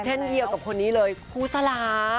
เช่นเดียวกับคนนี้เลยครูสลา